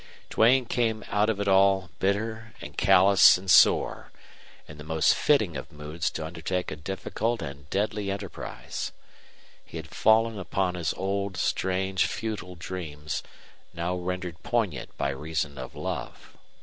Duane came out of it all bitter and callous and sore in the most fitting of moods to undertake a difficult and deadly enterprise. He had fallen upon his old strange, futile dreams, now rendered poignant by reason of love.